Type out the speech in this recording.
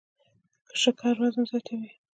شکر وزن زیاتوي